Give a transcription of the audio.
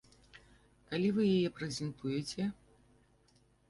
Калі вы яе прэзентуеце?